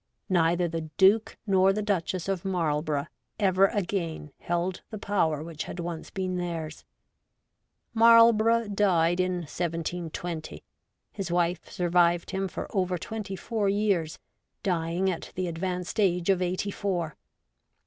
neither the Duke nor the Duchess of Marlborough ever again held the power which had once been theirs. Marl borough died in 1720. His wife survived him for over twenty four years, dying at the advanced age SOME OLD TIME TERMAGANTS. 87 of eighty four.